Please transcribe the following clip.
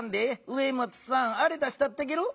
植松さんあれ出したってゲロ！